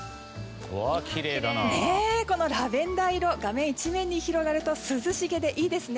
ラベンダー色画面一面に広がると涼しげでいいですね。